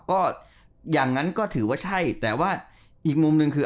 ก็อย่างนั้นก็ถือว่าใช่แต่ว่าอีกมุมหนึ่งคือ